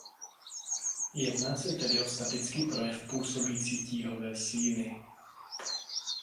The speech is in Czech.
Jedná se tedy o statický projev působící tíhové síly.